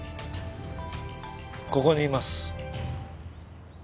ここにいます。